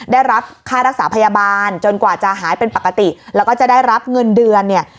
ได้รับค่ารักษาพยาบาลจนกว่าจะหายเป็นปกติแล้วก็จะได้รับเงินเดือนเนี่ย